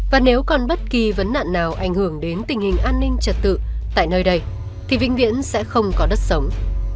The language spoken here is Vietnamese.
và nếu còn bất kỳ vấn nạn nào ảnh hưởng đến tình hình an ninh trật tự tại nơi đây thì vĩnh viễn sẽ không có đất sống